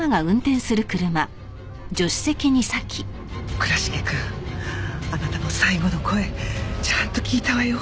倉重くんあなたの最期の声ちゃんと聞いたわよ